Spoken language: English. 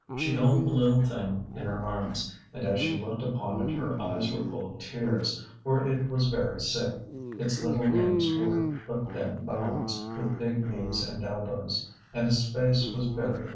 She held the little thing in her arms, and as she looked upon it her eyes were full of tears. For it was very sick; its little limbs were but thin bones, with big knees and elbows, and its face was very wan.